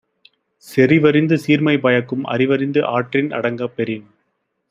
செறிவறிந்து சீர்மை பயக்கும் அறிவறிந்து ஆற்றின் அடங்கப் பெறின்